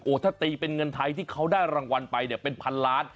ถ้าตีเป็นเงินไทยที่เขาได้รางวัลไปเนี่ยเป็นพันล้าน